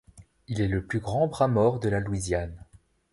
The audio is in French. Il est le plus grand bras mort de la Louisiane.